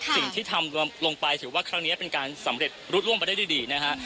สิ่งที่ทำลงไปถือว่าครั้งนี้เป็นการสำเร็จรูดล่วงไปได้ดีนะฮะ